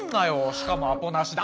しかもアポなしで。